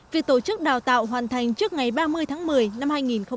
việc tổ chức đào tạo hoàn thành trước ngày ba mươi tháng một mươi năm hai nghìn hai mươi